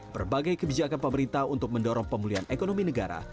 berbagai kebijakan pemerintah untuk mendorong pemulihan ekonomi negara